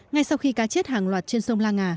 ngay sau khi cá chết hàng loạt trên sông la ngà